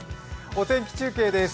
お天気中継です。